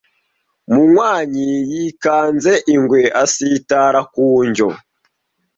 Munywanyi yikanze ingwe asitara ku njyo